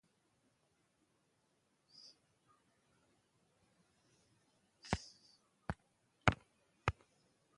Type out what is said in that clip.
Griffiths serves as the Chair of the Science Initiative Group.